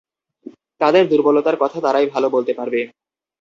তাদের দুর্বলতার কথা তারাই ভালো বলতে পারবে।